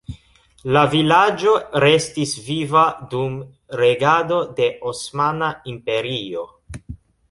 La vilaĝo restis viva dum regado de Osmana Imperio.